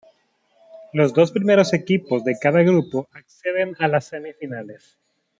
Los dos primeros equipos de cada grupo acceden a las semifinales.